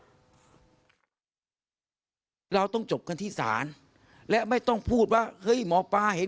ทีนี้ค่ะทีมข่าวของเราได้คุยกับยูทูบเบอร์ที่บุกไปบ้านหมอปลาค่ะ